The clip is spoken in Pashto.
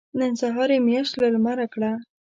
نن سهار يې مياشت له لمره کړه.